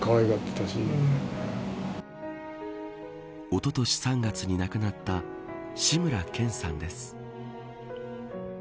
おととし３月に亡くなった志村けんさんです。